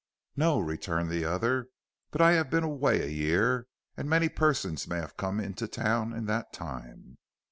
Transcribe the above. "No," returned the other, "but I have been away a year, and many persons may have come into town in that time."